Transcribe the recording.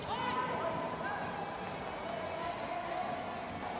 สวัสดีทุกคน